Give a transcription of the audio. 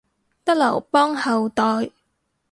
得劉邦後代